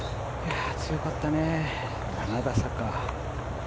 強かったね、７打差か。